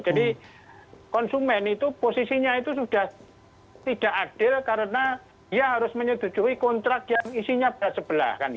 jadi konsumen itu posisinya itu sudah tidak adil karena dia harus menyetujui kontrak yang isinya berat sebelah